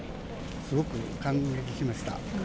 すごく感激しました。